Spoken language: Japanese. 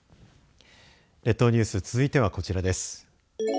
列島ニュース、続いてはこちらです。